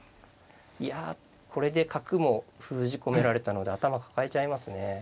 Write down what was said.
いやこれで角も封じ込められたので頭抱えちゃいますね。